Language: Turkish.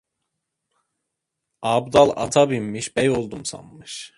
Abdal ata binmiş bey oldum sanmış.